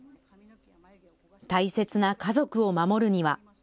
大切な家族を守るには。